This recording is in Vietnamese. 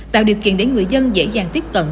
tạo điều kiện để người dân dễ dàng tiếp cận